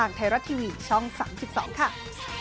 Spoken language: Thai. มันเธอไทยรัก